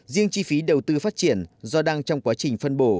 riêng chi phí đầu tư phát triển do đang trong quá trình phân bổ